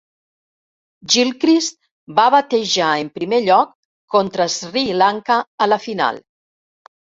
Gilchrist va batejar en primer lloc contra Sri Lanka a la final.